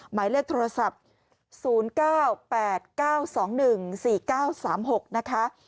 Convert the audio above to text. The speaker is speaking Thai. หมายเลขโทรศัพท์๐๙๘๙๒๑๔๙๓๖นะคะ